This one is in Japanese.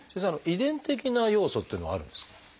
遺伝的な要素っていうのはあるんですか？